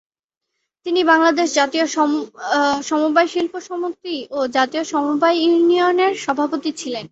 তিনি বাংলাদেশ জাতীয় সমবায় শিল্প সমিতি ও জাতীয় সমবায় ইউনিয়নের সভাপতি ছিলেন।